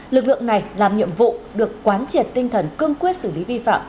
lực lượng này làm nhiệm vụ được quán triệt tinh thần cương quyết xử lý vi phạm